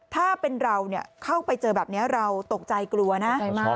ถ้าเป็นเราเข้าไปเจอแบบนี้เราตกใจกลัวนะ